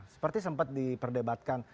tapi ini dapat diperdebatkan